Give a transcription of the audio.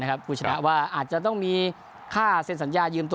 คุณชนะว่าอาจจะต้องมีค่าเซ็นสัญญายืมตัว